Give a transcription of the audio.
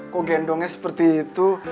kok gendongnya seperti itu